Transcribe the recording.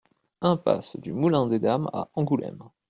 Impasse du Moulin des Dames à Angoulême